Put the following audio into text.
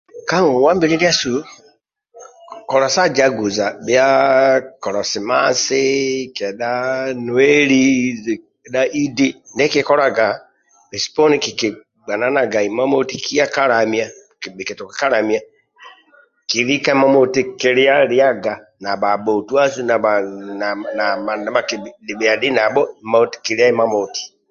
Ka ngongwa mbili ndiasu kolai sa jaguza bhia kolosimasin kedha nueli kedha iddi ndie kikikolaga bhesu poni kikigbananaga kiya ka lamia bhikituka ka lamia kilika imamoti kilia liaga na bhabhotusu nabha ndibha kidhabhiani nabho kilia imamoti